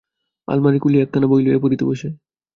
আলমারি খুলিয়া একখানা বই লইয়া পড়িতে বসে।